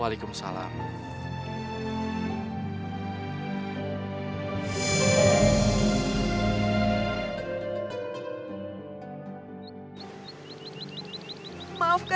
ating terhadap saya